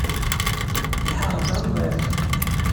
Tḥerr-d amḍiq.